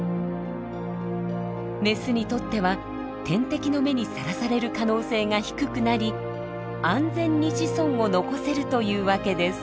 メスにとっては天敵の目にさらされる可能性が低くなり安全に子孫を残せるというわけです。